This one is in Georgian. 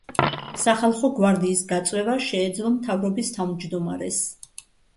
სახალხო გვარდიის გაწვევა შეეძლო მთავრობის თავმჯდომარეს.